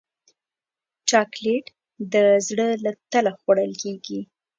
چاکلېټ د زړه له تله خوړل کېږي.